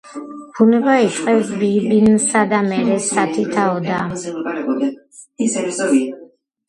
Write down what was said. ბუნება იწყებს ბიბინსა, და მერე სათითაოდა